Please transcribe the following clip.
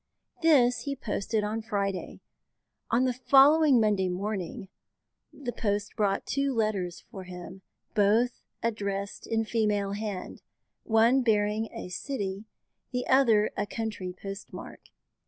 This he posted on Friday. On the following Monday morning, the post brought two letters for him, both addressed in female hand, one bearing a city, the other a country, post mark.